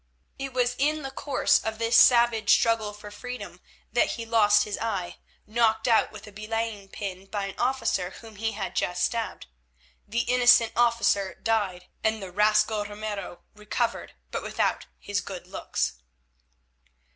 It was in the course of this savage struggle for freedom that he lost his eye, knocked out with a belaying pin by an officer whom he had just stabbed. The innocent officer died and the rascal Ramiro recovered, but without his good looks.